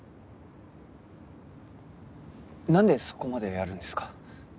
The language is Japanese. なんでそこまでやるんですか？